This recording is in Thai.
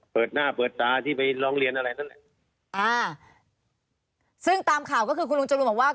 เปิดหน้าเปิดตาที่ไปร้องเรียนอะไรนั่นแหละอ่าซึ่งตามข่าวก็คือคุณลุงจรูนบอกว่า